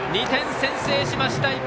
２点先制しました！